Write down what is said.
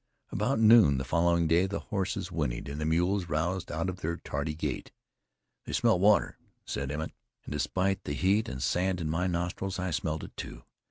About noon the following day, the horses whinnied, and the mules roused out of their tardy gait. "They smell water," said Emmett. And despite the heat, and the sand in my nostrils, I smelled it, too.